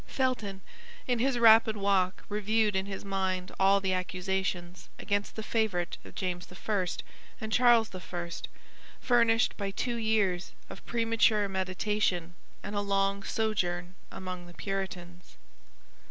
Felton, in his rapid walk, reviewed in his mind all the accusations against the favorite of James I. and Charles I., furnished by two years of premature meditation and a long sojourn among the Puritans.